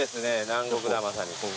南国だまさに。